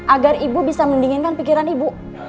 agar ibu bisa mendinginkan pikiran ibu